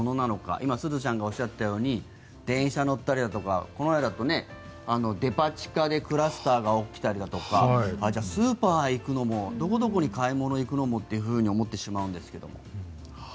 今、すずちゃんがおっしゃったように電車に乗ったりだとかこの前だと、デパ地下でクラスターが起きたりだとかじゃあスーパーに行くのもどこどこに買い物に行くのもって思ってしまうんですけど。